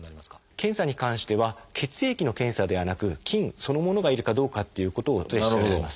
検査に関しては血液の検査ではなく菌そのものがいるかどうかっていうことを調べます。